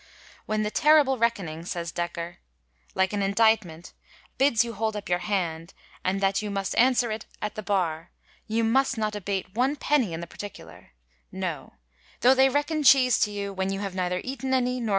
* When the terrible reckoning,' says Dekker, *like an indictment, bids you hold up your hand, and that you must answer it at the bar, you must not abate one penny in the particular ; no, though they reckon cheese to you, when you have neither eaten any, nor.